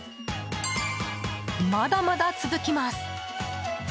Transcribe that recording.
まだまだ続きます。